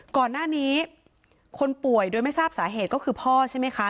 ก่อนหน้านี้คนป่วยโดยไม่ทราบสาเหตุก็คือพ่อใช่ไหมคะ